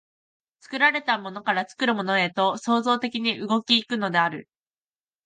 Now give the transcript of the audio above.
作られたものから作るものへと創造的に動き行くのである。